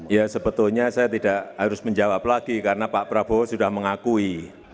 ya sebetulnya saya tidak harus menjawab lagi karena pak prabowo sudah mengakui